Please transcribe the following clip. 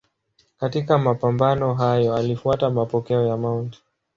Katika mapambano hayo alifuata mapokeo ya Mt.